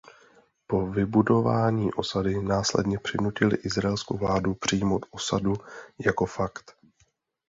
Po vybudování osady následně přinutili izraelskou vládu přijmout osadu jako fakt.